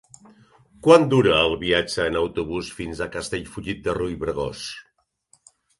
Quant dura el viatge en autobús fins a Castellfollit de Riubregós?